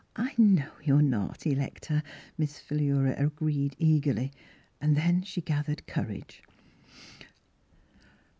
" I know you're not, Electa," Miss Phi lura agreed eagerly. Then she gathered courage.